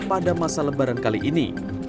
pada masa lebaran kali ini